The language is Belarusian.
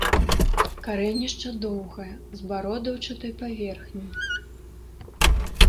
Карэнішча доўгае, з бародаўчатай паверхняй.